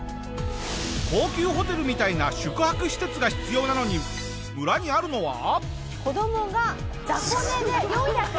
高級ホテルみたいな宿泊施設が必要なのに村にあるのは。